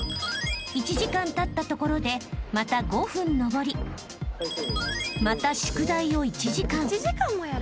［１時間たったところでまた５分登りまた宿題を１時間］